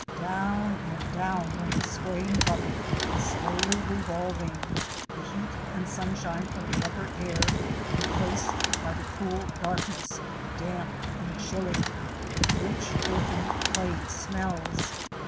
Down and down went the swaying bucket, slowly revolving — the heat and sunshine of the upper air replaced by the cool darkness — damp and chilly with rich earthen, clayey smells.